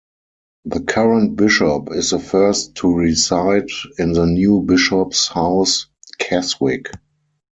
The current bishop is the first to reside in the new Bishop's House, Keswick.